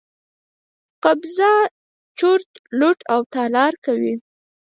قبضه، چور، لوټ او تالا کوي.